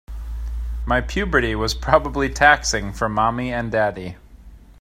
My puberty was probably taxing for mommy and daddy.